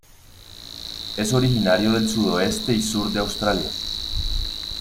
Es originario del sudoeste y sur de Australia.